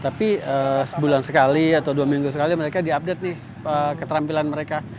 tapi sebulan sekali atau dua minggu sekali mereka diupdate nih keterampilan mereka